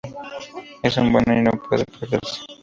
Es muy bueno y no puede perderse".